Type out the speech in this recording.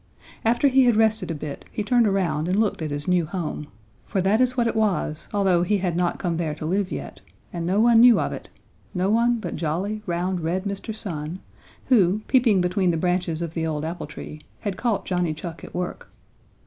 After he had rested a bit, he turned around and looked at his new home, for that is what it was, although he had not come there to live yet, and no one knew of it, no one but jolly, round, red Mr. Sun, who, peeping between the branches of the old apple tree, had caught Johnny Chuck at work.